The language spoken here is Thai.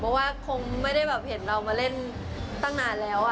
เพราะว่าคงไม่ได้แบบเห็นเรามาเล่นตั้งนานแล้ว